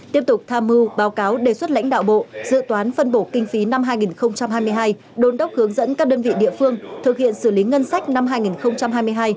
tiếp tục tham mưu báo cáo đề xuất lãnh đạo bộ dự toán phân bổ kinh phí năm hai nghìn hai mươi hai đôn đốc hướng dẫn các đơn vị địa phương thực hiện xử lý ngân sách năm hai nghìn hai mươi hai